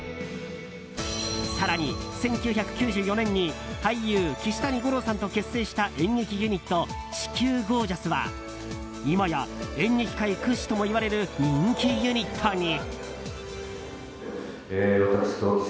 更に、１９９４年に俳優・岸谷五朗さんと結成した演劇ユニット、地球ゴージャスは今や演劇界屈指ともいわれる人気ユニットに。